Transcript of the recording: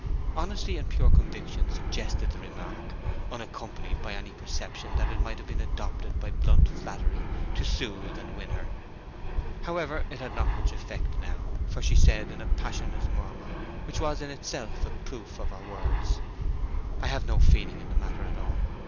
Honesty and pure conviction suggested the remark, unaccompanied by any perception that it might have been adopted by blunt flattery to soothe and win her. However, it had not much effect now, for she said, in a passionless murmur which was in itself a proof of her words: "I have no feeling in the matter at all.